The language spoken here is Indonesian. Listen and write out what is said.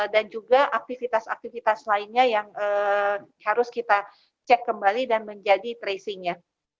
dan juga aktivitas aktivitas lainnya yang harus kita cek kembali dan menjadi tracingnya